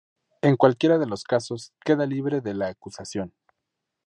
En cualquiera de los casos queda libre de la acusación.